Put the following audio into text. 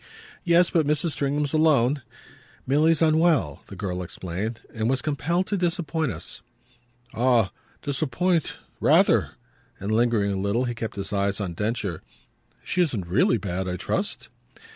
"Yes, but Mrs. Stringham's alone. Milly's unwell," the girl explained, "and was compelled to disappoint us." "Ah 'disappoint' rather!" And, lingering a little, he kept his eyes on Densher. "She isn't really bad, I trust?"